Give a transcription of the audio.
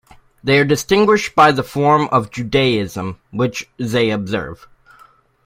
They are distinguished by the form of Judaism which they observe.